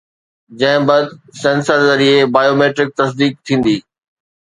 جنهن بعد سينسر ذريعي بايو ميٽرڪ تصديق ٿيندي